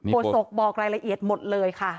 โศกบอกรายละเอียดหมดเลยค่ะ